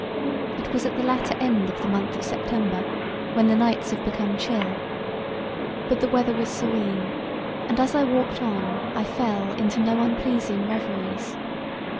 It was at the latter end of the month of September when the nights have become chill. But the weather was serene, and as I walked on I fell into no unpleasing reveries.